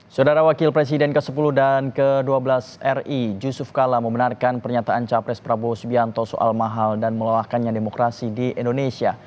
saudara wakil presiden ke sepuluh dan ke dua belas ri yusuf kala membenarkan pernyataan capres prabowo subianto soal mahal dan melelahkannya demokrasi di indonesia